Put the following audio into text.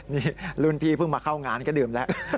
นี่รุ่นพี่เพิ่งมาเข้างานก็ดื่มแล้ว